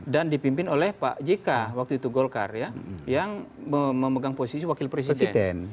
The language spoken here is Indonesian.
dan dipimpin oleh pak jika waktu itu golkar ya yang memegang posisi wakil presiden